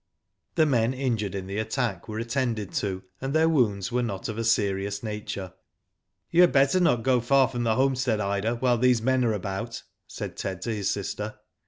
The men injured in the attack were attended to, and their wounds were aot of a serious nature. "You had better not go far from the homestead, Ida, while these men are about," said Ted to his sister.